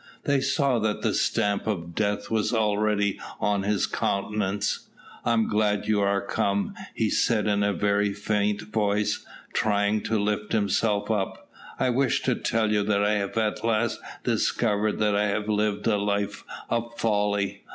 They saw that the stamp of death was already on his countenance. "I am glad you are come," he said in a very faint voice, trying to lift himself up. "I wish to tell you that I have at last discovered that I have lived a life of folly.